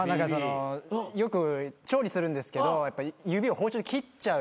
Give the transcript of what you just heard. よく調理するんですけど指を包丁で切っちゃう。